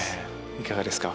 いかがですか？